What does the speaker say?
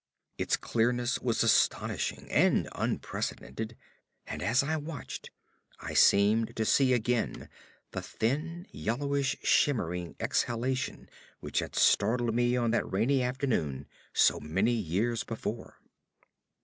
Its clearness was astonishing and unprecedented and as I watched I seemed to see again the thin, yellowish, shimmering exhalation which had startled me on that rainy afternoon so many years before.